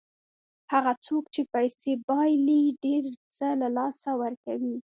هغه څوک چې پیسې بایلي ډېر څه له لاسه ورکوي.